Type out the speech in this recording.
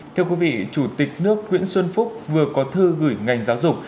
thưa quý vị chủ tịch nước nguyễn xuân phúc vừa có thư gửi ngành giáo dục